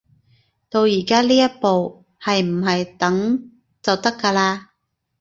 到而家呢一步，係唔係等就得㗎喇